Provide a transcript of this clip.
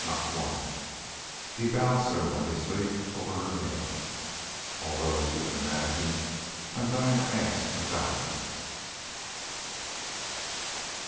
Not one " He bowed ceremoniously over her hand. "Although, as you can imagine, I'm dying to ask a thousand."